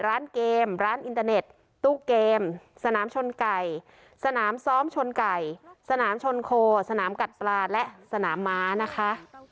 ร้านเกมร้านอินเตอร์เน็ตตู้เกมสนามชนไก่สนามซ้อมชนไก่สนามชนโคสนามกัดปลาและสนามม้านะคะ